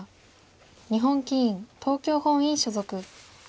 日本棋院東京本院所属。